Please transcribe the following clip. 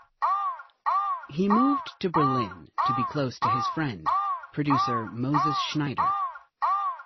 He moved to Berlin to be close to his friend, producer Moses Schneider.